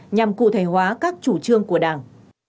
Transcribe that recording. nhằm cụ thể hóa các chủ trương của đảng